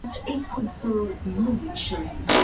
China Indonesia Vietnam Thailand Iran na Morocco